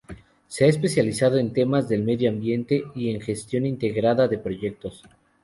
Se ha especializado en temas del Medio Ambiente y en Gestión Integrada de Proyectos.